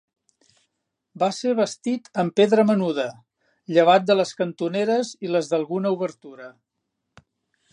Va ser bastit amb pedra menuda, llevat de les cantoneres i les d'alguna obertura.